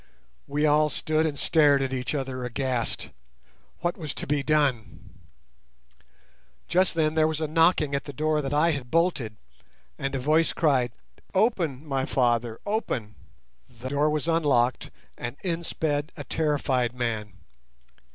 We all stood and stared at each other aghast. What was to be done? Just then there was a knocking at the door that I had bolted, and a voice cried, "Open, my father, open!" The door was unlocked, and in sped a terrified man.